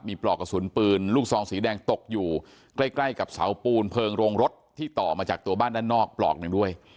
มีปลอกกระสุนปืนลูกซองสีแดงตกอยู่ใกล้ใกล้กับเสาปูนเพลิงโรงรถที่ต่อมาจากตัวบ้านด้านนอกปลอกหนึ่งด้วย